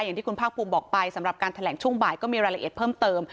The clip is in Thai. อย่างที่คุณภาคภูมิบอกไปสำหรับการแถลงช่วงบ่ายก็มีรายละเอียดเพิ่มเติม